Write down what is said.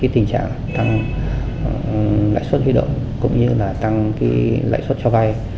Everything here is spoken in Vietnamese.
tình trạng tăng lãi suất huy động cũng như là tăng lãi suất cho vay